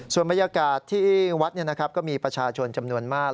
ส่วนบรรยากาศที่วัดก็มีประชาชนจำนวนมาก